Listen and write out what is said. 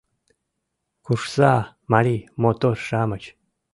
Куржса, марий мотор-шамыч!